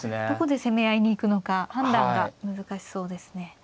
どこで攻め合いに行くのか判断が難しそうですね。